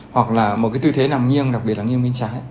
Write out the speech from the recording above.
hoặc là một cái tư thế nằm nghiêng đặc biệt là nghiêng miếng